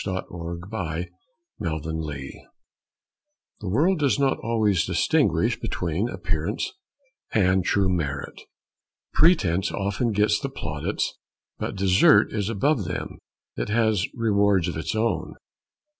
MAN OR MANIKIN The world does not always distinguish between appearance and true merit. Pretence often gets the plaudits, but desert is above them it has rewards of its own.